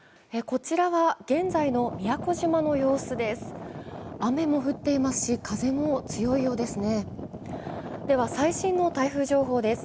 こちらは現在の宮古島の様子です。